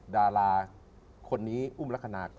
ดาราคนนี้อุ้มลักษณะ